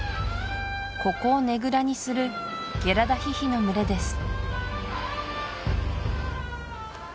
ここをねぐらにするゲラダヒヒの群れです